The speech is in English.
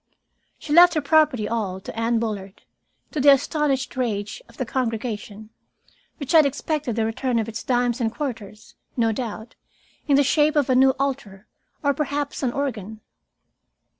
She left her property all to Anne Bullard, to the astonished rage of the congregation, which had expected the return of its dimes and quarters, no doubt, in the shape of a new altar, or perhaps an organ.